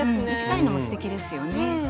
短いのもすてきですよね。